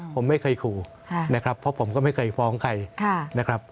ผมไม่เคยขู่นะครับเพราะผมก็ไม่เคยฟ้องใครนะครับ